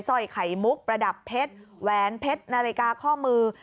สร้อยไขมุ๊บประดับเผ็ดแวนเผ็ดนาฬิกาข้อมือ